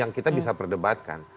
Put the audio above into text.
yang kita bisa perdebatkan